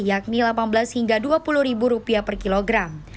yakni delapan belas hingga dua puluh rupiah per kilogram